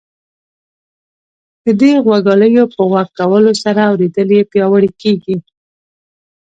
د دې غوږوالیو په غوږ کولو سره اورېدل یې پیاوړي کیږي.